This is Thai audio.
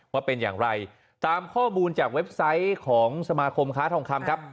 ว่าเป็นอย่างไรตามข้อมูลจากเว็บไซต์ของสมาคมค้าทองคำครับ